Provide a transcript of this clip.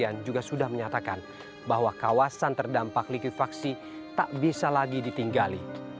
yang juga sudah menyatakan bahwa kawasan terdampak likuifaksi tak bisa lagi ditinggali